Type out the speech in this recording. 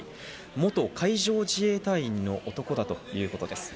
元海上自衛隊員の男だということです。